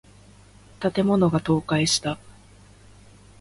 建物が倒壊した。